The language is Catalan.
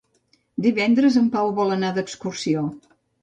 Divendres en Pau vol anar d'excursió.